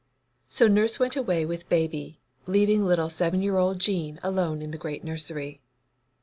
So nurse went away with Baby, leaving little seven year old Jean alone in the great nursery.